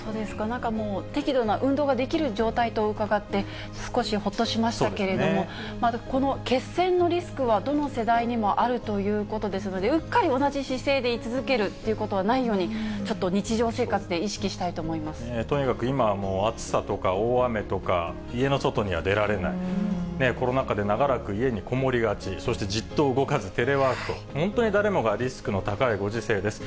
なんかもう、適度な運動ができる状態と伺って、少しほっとしましたけれども、この血栓のリスクはどの世代にもあるということですので、うっかり同じ姿勢で居続けるということがないようにちょっと日常とにかく今は暑さとか大雨とか、家の外には出られない、コロナ禍で長らく家にこもりがち、そしてじっと動かずテレワークと、本当に誰もがリスクの高いご時世です。